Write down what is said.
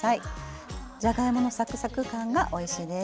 じゃがいものサクサク感がおいしいです。